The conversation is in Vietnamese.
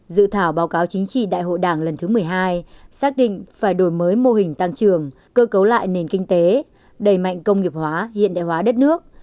dự thảo báo cáo chính trị đại hội đảng lần thứ một mươi hai xác định phải đổi mới mô hình tăng trưởng cơ cấu lại nền kinh tế đẩy mạnh công nghiệp hóa hiện đại hóa đất nước